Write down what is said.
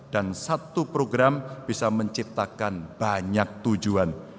dan satu program bisa menciptakan banyak tujuan